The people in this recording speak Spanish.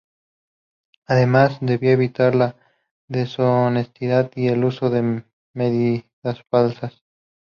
Además, debían evitar la deshonestidad y el uso de medidas falsas.